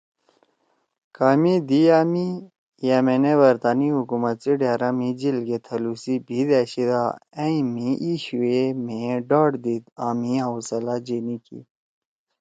کامے دیِا می یأ مھیئے برطانی حکومت سی ڈھأرا مھی جیل گے تھلُو سی بھیِت أشیِدا ائں مھی ای شُو ئے مھیئے ڈاڈ دیِد آں مھی حوصلہ جینی کی